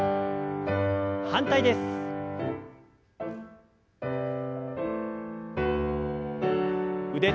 反対です。